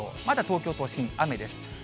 まだ東京都心、雨です。